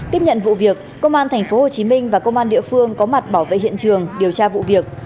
tiếp nhận vụ việc công an tp hcm và công an địa phương có mặt bảo vệ hiện trường điều tra vụ việc